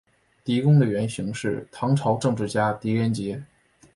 狄公的原型是唐朝政治家狄仁杰。